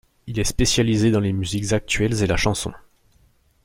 Il est spécialisé dans les musiques actuelles et la chanson.